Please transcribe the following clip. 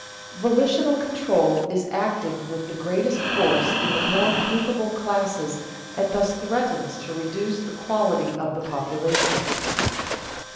_Volitional control is acting with the greatest force in the more capable classes and thus threatens to reduce the quality of the population.